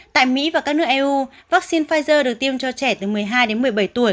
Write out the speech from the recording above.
tại mỹ và các nước eu vaccine pfizer được tiêm cho trẻ từ một mươi hai đến một mươi bảy tuổi